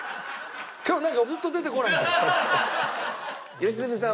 良純さん